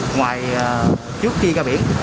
ngoài trước khi ra biển